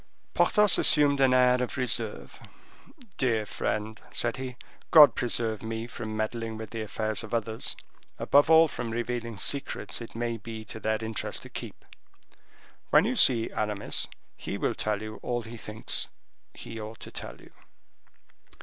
Porthos assumed an air of reserve. "Dear friend," said he, "God preserve me from meddling with the affairs of others, above all from revealing secrets it may be to their interest to keep. When you see Aramis, he will tell you all he thinks he ought to tell you."